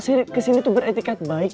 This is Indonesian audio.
saya kesini tuh beretikat baik